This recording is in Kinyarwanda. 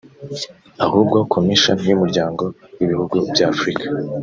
ahubwo commission y’umuryango w’ibihugu by’Afurika